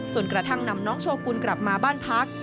กระทั่งนำน้องโชกุลกลับมาบ้านพัก